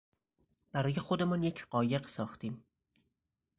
برای خودمان یک قایق ساختیم.